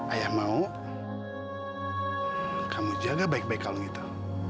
ayah mau kamu jaga baik baik kalung itu